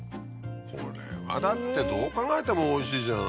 これはだってどう考えてもおいしいじゃないよ。